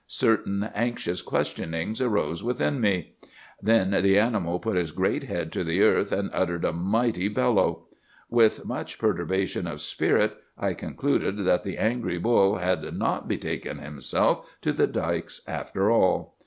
Certain anxious questionings arose within me. "'Then the animal put his great head to the earth, and uttered a mighty bellow. With much perturbation of spirit I concluded that the angry bull had not betaken himself to the dikes after all.